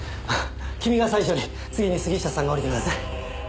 君が最初に次に杉下さんが下りてください。